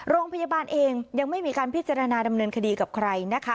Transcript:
โรงพยาบาลเองยังไม่มีการพิจารณาดำเนินคดีกับใครนะคะ